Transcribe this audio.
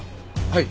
はい。